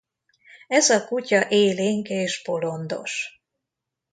Ez a kutya élénk és bolondos.